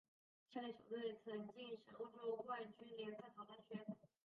下列球队曾晋身欧洲冠军联赛淘汰圈。